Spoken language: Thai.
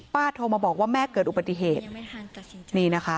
โทรมาบอกว่าแม่เกิดอุบัติเหตุนี่นะคะ